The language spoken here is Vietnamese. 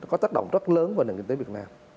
có tác động rất lớn vào nền kinh tế việt nam